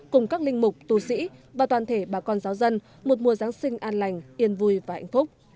cùng các linh mục tù sĩ và toàn thể bà con giáo dân một mùa giáng sinh an lành yên vui và hạnh phúc